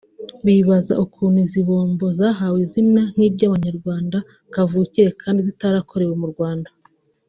bibaza ukuntu izi bombo zahawe izina nk’iry’abanyarwanda kavukire kandi zitarakorewe mu Rwanda